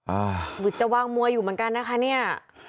เอ้าวิวว่างมัวอยู่เหมือนกันน่ะคะเนี่ย